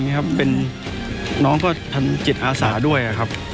ครับเป็นน้องก็ทันจิตอาสาด้วยครับ